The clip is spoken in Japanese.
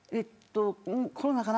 コロナかな。